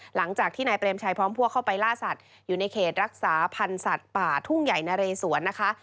หลังจากที่นายเปรมชัยพร้อมพวกเข้าไปล่าสัตว์อยู่ในเขตรักษาพันธ์สัตว์ป่าทุ่งใหญ่นะเรสวนนะคะ